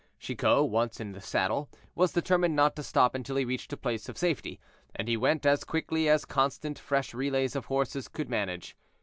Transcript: Chicot, once in the saddle, was determined not to stop until he reached a place of safety, and he went as quickly as constant fresh relays of horses could manage.